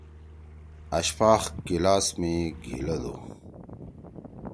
اشفاق کلاس می گھِلَدُو۔